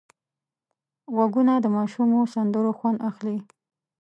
غوږونه د ماشومو سندرو خوند اخلي